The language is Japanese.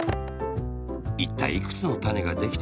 いったいいくつのたねができたのでしょう？